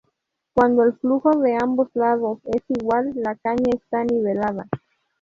Cuando el flujo de ambos lados es igual, la caña está nivelada.